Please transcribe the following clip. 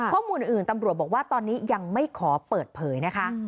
ข้อมูลอื่นตำรวจบอกว่าตอนนี้ยังไม่ขอเปิดเผยนะคะ